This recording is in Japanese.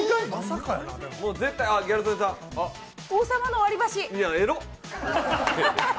王様の割り箸。